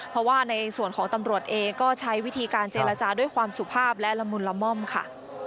เพราะว่าในส่วนของตำรวจเองก็ใช้วิธีการเจรจาด้วยความสุภาพและละมุนละม่อมค่ะ